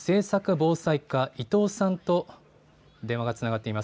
防災課は伊藤さんと電話がつながっています。